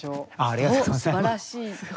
ありがとうございます。